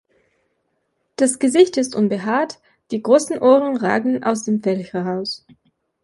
Das Gesicht ist unbehaart, die großen Ohren ragen aus dem Fell heraus.